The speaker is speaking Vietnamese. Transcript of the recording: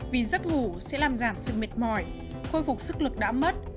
vì giấc ngủ sẽ làm giảm sự mệt mỏi khôi phục sức lực đã mất